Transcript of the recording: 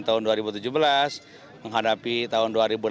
tahun dua ribu tujuh belas menghadapi tahun dua ribu delapan belas